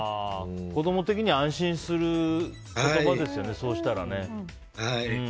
子供的には安心する言葉ですよね、そうしたらね。